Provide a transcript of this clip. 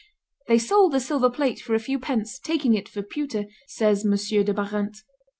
"They sold the silver plate for a few pence, taking it for pewter," says M. de Barante.